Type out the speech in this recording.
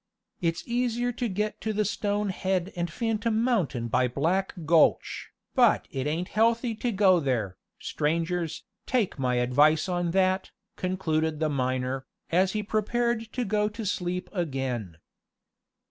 "It's easier to get to the stone head and Phantom Mountain by Black Gulch, but it ain't healthy to go there, strangers, take my advice on that," concluded the miner, as he prepared to go to sleep again.